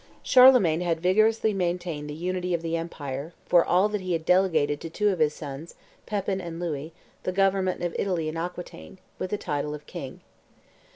Charlemagne had vigorously maintained the unity of the empire, for all that he had delegated to two of his sons, Pepin and Louis, the government of Italy and Aquitaine, with the title of king.